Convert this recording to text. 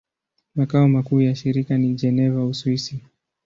Makao makuu ya shirika ni Geneva, Uswisi.